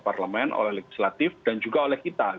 parlemen oleh legislatif dan juga oleh kita